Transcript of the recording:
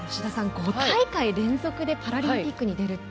５大会連続でパラリンピックに出るって。